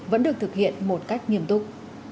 vẫn được thực hiện một cách nghiêm túc